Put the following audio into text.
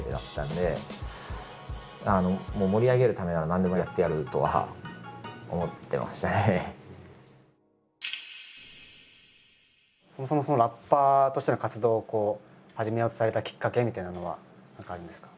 自分にとってもそもそもラッパーとしての活動を始めようとされたきっかけみたいなのは何かあるんですか？